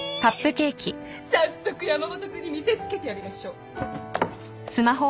早速山本君に見せつけてやりましょう。